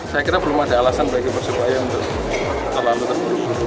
saya kira belum ada alasan bagi persebaya untuk terlalu terburu buru